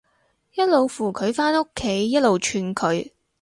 一路扶佢返屋企，一路串佢